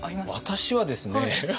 私はですね。